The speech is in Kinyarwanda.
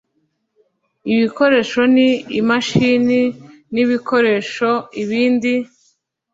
ibikoresho ni imashini n’ ibikoresho ibindi